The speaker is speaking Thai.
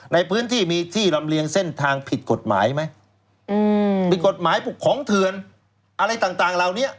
ในพื้นที่มีที่รำเลียงเส้นทางผิดกฎหมายไหมผิดกฎหมายของเทือนอะไรต่างเราเนี่ย